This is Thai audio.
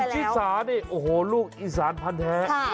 ชิสานี่โอ้โหลูกอีสานพันธ์แท้